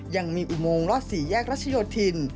ยังมีอุโมงรอด๔แยกรัชโยธิน